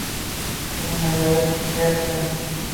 Shuni nazarda tutishyapti.